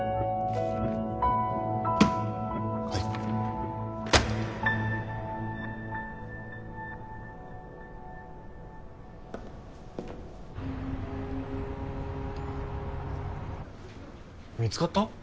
はい見つかった？